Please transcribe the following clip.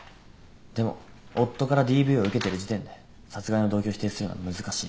でも夫からＤＶを受けてる時点で殺害の動機を否定するのは難しい。